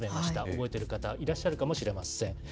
覚えている方、いらっしゃるかもしれません。